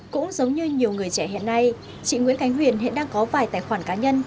cũng giống như nhiều người trẻ hiện nay chị nguyễn khánh huyền hiện đang có vài tài khoản cá nhân